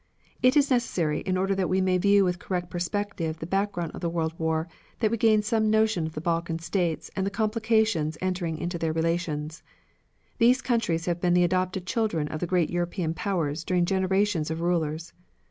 It is necessary in order that we may view with correct perspective the background of the World War, that we gain some notion of the Balkan States and the complications entering into their relations. These countries have been the adopted children of the great European powers during generations of rulers.